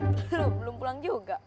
belum pulang juga